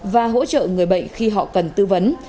và hỗ trợ người bệnh khi họ cần tư vấn